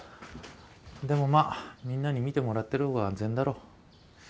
でもまあみんなに見てもらってるほうが安全だろ。